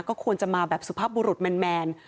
ก็ควรจะมาแบบสุภาพบุรุษแมน